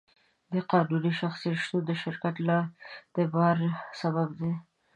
د قانوني شخصیت شتون د شرکت د باور سبب دی.